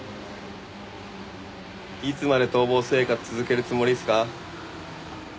いつまで逃亡生活続けるつもりっすか？